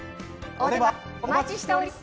お待ちしております。